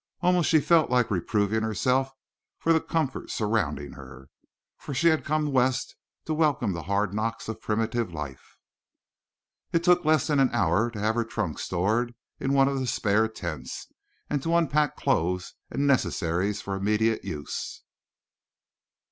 Almost she felt like reproving herself for the comfort surrounding her. For she had come West to welcome the hard knocks of primitive life. It took less than an hour to have her trunks stored in one of the spare tents, and to unpack clothes and necessaries for immediate use.